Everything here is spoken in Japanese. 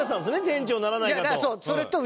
店長にならないかと。